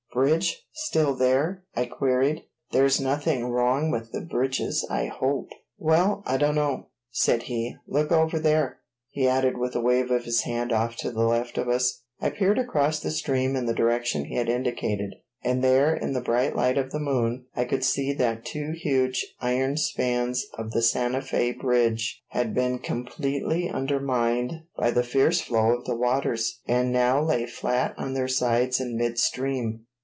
"Bridge? Still there?" I queried. "There's nothing wrong with the bridges, I hope." "Well I dunno," said he. "Look over there," he added with a wave of his hand off to the left of us. I peered across the stream in the direction he had indicated, and there in the bright light of the moon I could see that two huge iron spans of the Santa Fé bridge had been completely undermined by the fierce flow of the waters, and now lay flat on their sides in midstream.